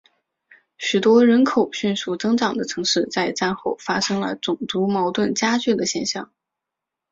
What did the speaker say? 许多人口迅速增长的城市在战后发生了种族矛盾加剧的现象。